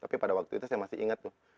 tapi pada waktu itu saya masih ingat loh